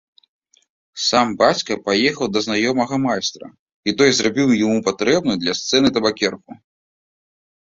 Сам бацька паехаў да знаёмага майстра, і той зрабіў яму патрэбную для сцэны табакерку.